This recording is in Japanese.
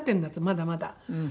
まだまだ。